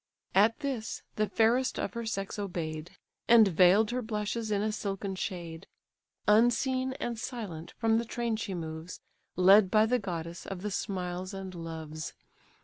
At this, the fairest of her sex obey'd, And veil'd her blushes in a silken shade; Unseen, and silent, from the train she moves, Led by the goddess of the Smiles and Loves.